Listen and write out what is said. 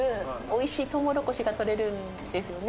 おいしいトウモロコシが採れるんですよね。